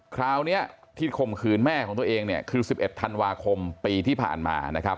คราวนี้ที่ข่มขืนแม่ของตัวเองเนี่ยคือ๑๑ธันวาคมปีที่ผ่านมานะครับ